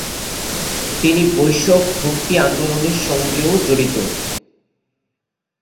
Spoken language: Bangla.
তিনি বৈষ্ণব ভক্তি আন্দোলনের সঙ্গেও জড়িত।